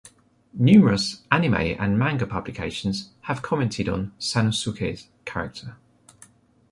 Numerous anime and manga publications have commented on Sanosuke's character.